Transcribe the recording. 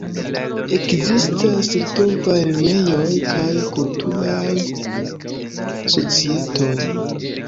Ekzistas litovaj lernejoj kaj kulturaj societoj.